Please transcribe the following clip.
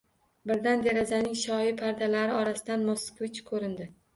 Birdan derazaning shoyi pardalari orasidan moskvich ko‘rindi.